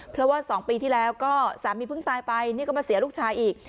เพราะว่า๒ปีที่แล้วก็สามีเพิ่งตายไปนี่ก็มาเสียลูกชายอีก